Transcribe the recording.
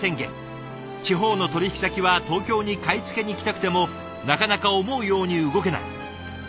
地方の取引先は東京に買い付けに行きたくてもなかなか思うように動けない。